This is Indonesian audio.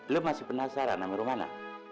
lu masih penasaran sama romana